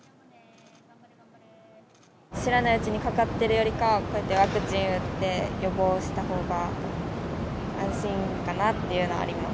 知らないうちにかかってるよりかは、こうやってワクチン打って、予防したほうが安心かなっていうのはあります。